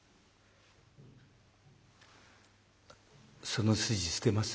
「その筋捨てます？